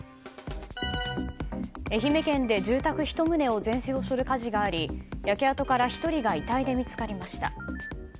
愛媛県で住宅１棟を全焼する火事があり焼け跡から１人が遺体で見つかりました。